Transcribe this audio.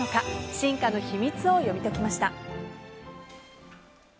進化の秘密を読み解きました。